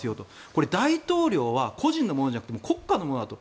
これ、大統領は個人のものじゃなくて国家のものだと。